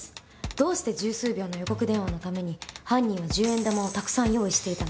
どうして十数秒の予告電話のために犯人は十円玉をたくさん用意していたのか。